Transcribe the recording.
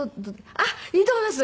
あっいいと思います。